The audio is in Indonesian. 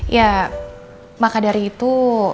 ya maka dari itu